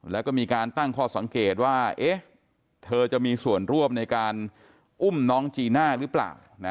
แล้วก็มีการตั้งข้อสังเกตว่าเธอจะมีส่วนร่วมในการอุ้มน้องจีน่าหรือเปล่า